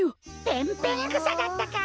ペンペングサだったか。